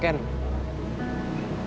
kita udah kecelakaan orang